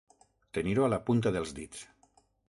Tenir-ho a la punta dels dits.